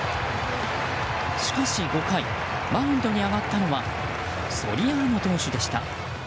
しかし、５回マウンドに上がったのはソリアーノ投手でした。